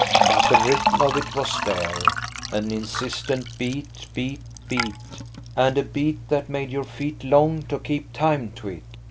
But the rhythm of it was there, an insistent beat, beat, beat–and a beat that made your feet long to keep time to it.